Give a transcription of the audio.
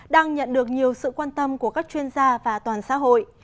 đang nhận được nhiều sự quan tâm của các chuyên gia và toàn xã hội